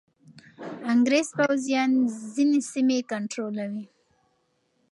انګریز پوځیان ځینې سیمې کنټرولوي.